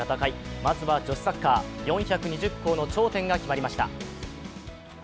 まずは女子サッカー、４２０校の頂点が決まりました。